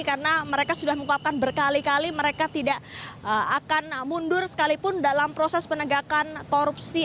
karena mereka sudah menguapkan berkali kali mereka tidak akan mundur sekalipun dalam proses penegakan korupsi